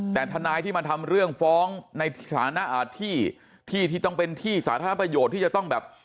แต่ทนายที่มาทำเรื่องฟ้องในที่ที่ต้องเป็นที่สาธารณประโยชน์ที่จะต้องแบบ